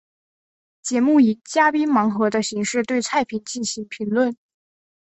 节目以嘉宾盲品的形式对菜品进行评论。